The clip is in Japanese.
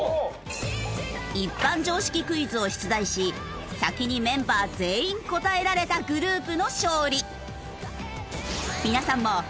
一般常識クイズを出題し先にメンバー全員答えられたグループの勝利。